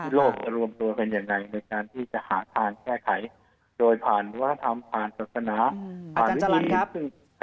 โลกจะรวมตัวกันยังไงในการที่จะหาทางแก้ไขโดยผ่านวัฒนธรรมผ่านศาสนาผ่านวิธี